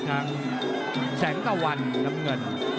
แสงตะวันน้ำเงิน